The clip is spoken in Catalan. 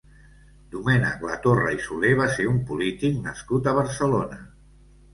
Domènec Latorre i Soler va ser un polític nascut a Barcelona.